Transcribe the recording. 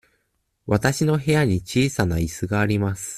わたしの部屋に小さないすがあります。